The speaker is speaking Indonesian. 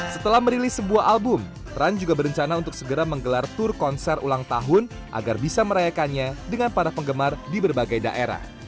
setelah merilis sebuah album run juga berencana untuk segera menggelar tur konser ulang tahun agar bisa merayakannya dengan para penggemar di berbagai daerah